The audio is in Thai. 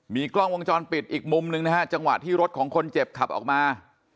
มีกล้องวงจรปิดอีกมุมหนึ่งนะฮะจังหวะที่รถของคนเจ็บขับออกมา